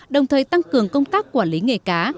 đồng thời tăng cường công tác quản lý nghề cá